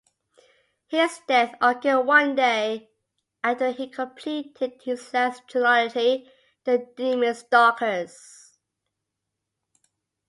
His death occurred one day after he completed his last trilogy, the Demon Stalkers.